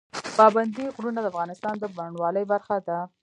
پابندی غرونه د افغانستان د بڼوالۍ برخه ده.